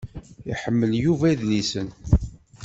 Iḥemmel Yuba idlisen.